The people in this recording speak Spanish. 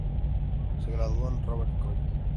Se graduó en Robert College.